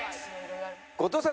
後藤さん